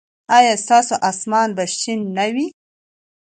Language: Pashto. ایا ستاسو اسمان به شین نه وي؟